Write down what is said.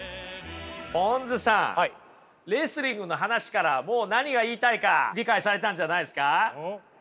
ぽんづさんレスリングの話からもう何が言いたいか理解されたんじゃないですか？